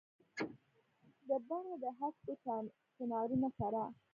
دبڼ دهسکو چنارونو سره ،